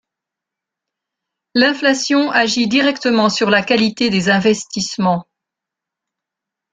L'inflation agit directement sur la qualité des investissements.